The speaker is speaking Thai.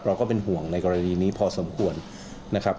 ก็เป็นห่วงในกรณีนี้พอสมควรนะครับ